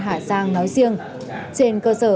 hà giang nói riêng trên cơ sở